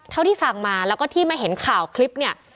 เท่าที่ฟังมาแล้วก็ที่มาเห็นข่าวคลิปเนี่ย